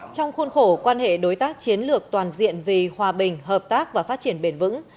trong khuôn khổ quan hệ đối tác chiến lược toàn diện vì hòa bình hợp tác và phát triển bền vững